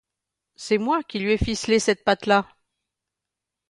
C'est moi qui lui ai ficelé cette patte-là.